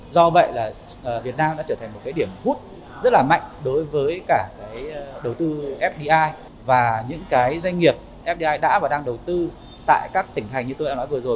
do vậy là việt nam đã trở thành một cái điểm hút rất là mạnh đối với cả cái đầu tư fdi và những cái doanh nghiệp fdi đã và đang đầu tư tại các tỉnh thành như tôi đã nói vừa rồi